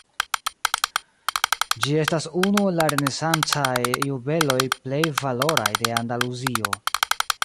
Ĝi estas unu el la renesancaj juveloj plej valoraj de Andaluzio.